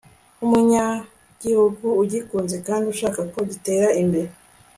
nk'umunyagihugu ugikunze kandi ushaka ko gitera imbere